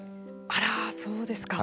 あらそうですか。